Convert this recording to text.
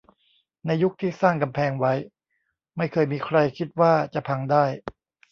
ในยุคที่สร้างกำแพงไว้ ไม่เคยมีใครคิดว่าจะพังได้